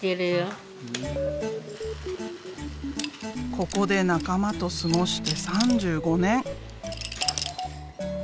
ここで仲間と過ごして３５年。